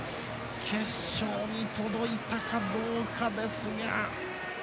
決勝に届いたかどうかですが。